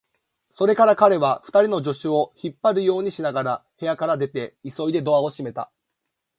それから彼は、二人の助手を引っ張るようにしながら部屋から出て、急いでドアを閉めた。